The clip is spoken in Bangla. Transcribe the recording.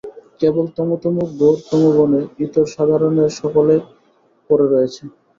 কেবল তমো-তমো-ঘোর তমোগুণে ইতরসাধারণ সকলে পড়ে রয়েছে।